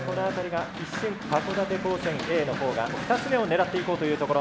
函館高専Ａのほうが２つ目を狙っていこうというところ。